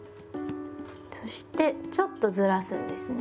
そしてちょっとずらすんですね。